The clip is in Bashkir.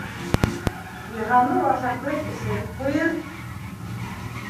Йыһанур ашатып, эсереп ҡуйыр!